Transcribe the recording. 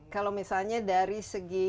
kalau misalnya dari segi